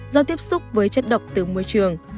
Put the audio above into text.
do tiếp xúc với chất độc từ môi trường